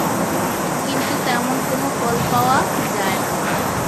কিন্তু তেমন কোনো ফল পাওয়া যায় না।